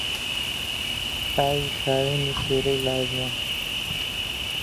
ئاوی خاوێنی شێرەی لازمە.